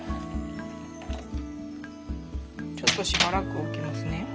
ちょっとしばらく置きますね。